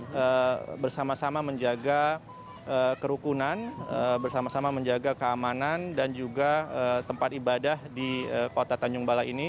kita bersama sama menjaga kerukunan bersama sama menjaga keamanan dan juga tempat ibadah di kota tanjung balai ini